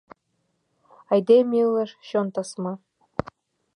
Айдеме илыш – чон тасма.